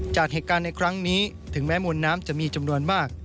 จากเหตุการณ์ในครั้งนี้ถึงแม้มวลน้ำจะมีจำนวนมาก